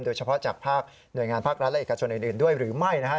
เฉพาะจากภาคหน่วยงานภาครัฐและเอกชนอื่นด้วยหรือไม่นะฮะ